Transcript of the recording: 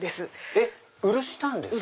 えっ漆なんですか？